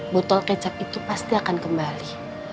botol kecap itu pasti akan kembali